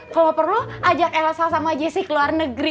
kalo perlu ajak elsa sama jessie ke luar negeri